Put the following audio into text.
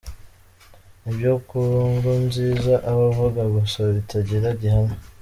Nibyo Nkurunziza aba avuga gusa bitagira gihamya.